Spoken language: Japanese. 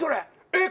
えっ！